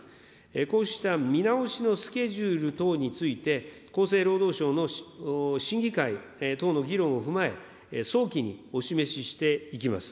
こうした見直しのスケジュール等について、厚生労働省の審議会等の議論を踏まえ、早期にお示ししていきます。